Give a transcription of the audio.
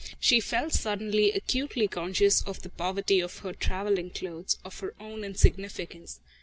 She felt suddenly acutely conscious of the poverty of her travelling clothes, of her own insignificance.